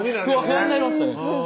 不安になりましたね